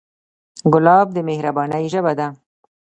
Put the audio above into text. ګلاب د مهربانۍ ژبه ده.